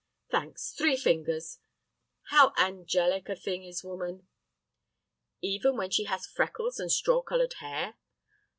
"Thanks. Three fingers. How angelic a thing is woman!" "Even when she has freckles and straw colored hair?"